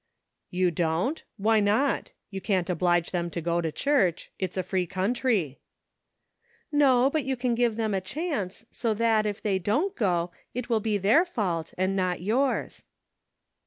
"You don't? why not? You can't oblige them to go to church. It's a free country." "No, but you can give them a chance, so that, if they don't go, it will be their fault, and not yours."